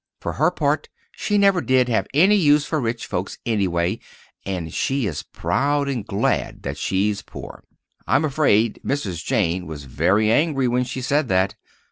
For her part, she never did have any use for rich folks, anyway, and she is proud and glad that she's poor! I'm afraid Mrs. Jane was very angry when she said that.